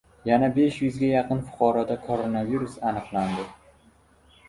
Yana besh yuzga yaqin fuqaroda koronavirus aniqlandi